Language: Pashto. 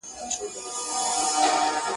د شنې بزې چيچى که شين نه وي، شين ټکی لري.